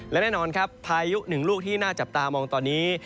และแน่นอนครับพายุหนึ่งลูกที่น่าจับตามองตอนนี้